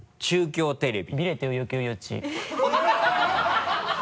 中京テレビ」